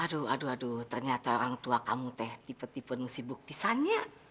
aduh aduh aduh ternyata orang tua kamu teh tipe tipe nusibuk pisahnya